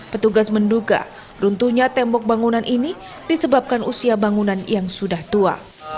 petugas menduga runtuhnya tembok bangunan ini disebabkan usia bangunan yang sudah tua